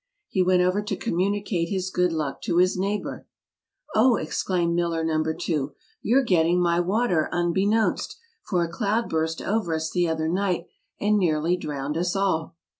He went over to communicate his good luck to his neighbor. "Oh!" exclaimed miller No. 2, "you're gettin' my water unbeknownst, for a cloudburst over us the other night and nearly drowned us all."